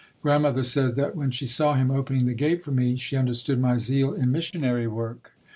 Grandmother said that when she saw him opening the gate for me, she understood my zeal in missionary work.